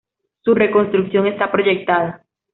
Su reconstrucción está proyectada.